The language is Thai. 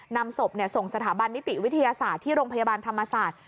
นำศพส่งสถาบันนิติวิทยาศาสตร์ที่โรงพยาบาลธรรมศาสตร์